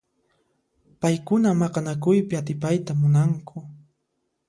Paykuna maqanakuypi atipayta munanku.